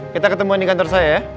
kita ketemuan di kantor saya ya